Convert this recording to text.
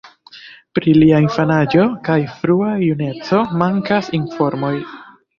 Pri lia infanaĝo kaj frua juneco mankas informoj.